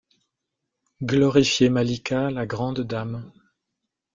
Glorifiez Malika la grande dame!